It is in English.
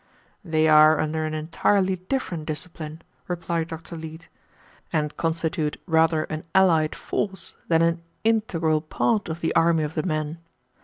"They are under an entirely different discipline," replied Dr. Leete, "and constitute rather an allied force than an integral part of the army of the men.